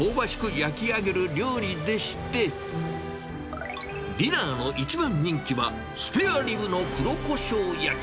焼き上げる料理でして、ディナーの一番人気は、スペアリブの黒胡椒焼き。